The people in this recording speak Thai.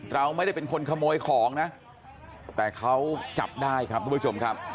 เราไม่ได้เป็นคนขโมยของนะแต่เขาจับได้ครับทุกผู้ชมครับ